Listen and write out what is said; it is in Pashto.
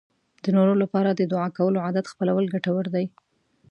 د نورو لپاره د دعا کولو عادت خپلول ګټور دی.